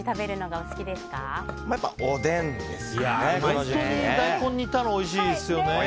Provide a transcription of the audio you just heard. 本当に大根を煮たのおいしいですよね。